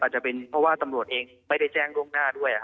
อาจจะเป็นเพราะว่าตำรวจเองไม่ได้แจ้งล่วงหน้าด้วย